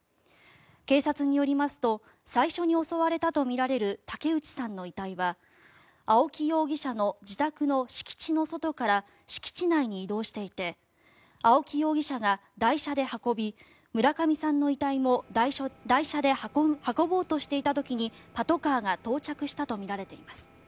警察によりますと最初に襲われたとみられる竹内さんの遺体は青木容疑者の自宅の敷地の外から敷地内に移動していて青木容疑者が台車で運び村上さんの遺体も台車で運ぼうとしていた時にパトカーが到着したとみられています。